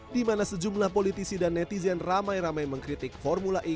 di mana sejumlah politisi dan netizen ramai ramai mengkritik formula e